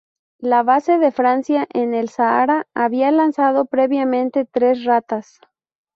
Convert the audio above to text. La base de Francia en el Sahara había lanzado previamente tres ratas.